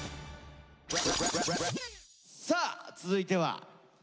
さあ続いては。